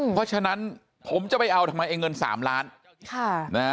เพราะฉะนั้นผมจะไปเอาทำไมไอ้เงิน๓ล้าน